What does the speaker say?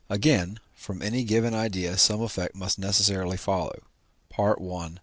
Again, from any given idea some effect must necessarily follow (I.